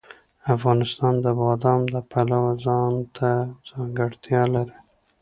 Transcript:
افغانستان د بادام د پلوه ځانته ځانګړتیا لري.